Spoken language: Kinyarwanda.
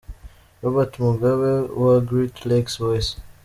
Robert Mugabe wa Great Lakes Voice